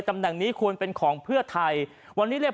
ตำแหน่งนี้ควรเป็นของเพื่อไทย